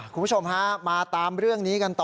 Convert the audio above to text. คุณผู้ชมฮะมาตามเรื่องนี้กันต่อ